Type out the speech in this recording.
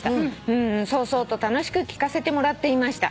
「うんうんそうそうと楽しく聞かせてもらっていました」